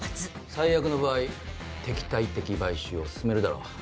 最悪の場合敵対的買収を進めるだろう。